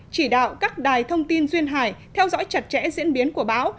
chỉ đạo các đài thông tin duyên hải theo dõi chặt chẽ diễn biến của báo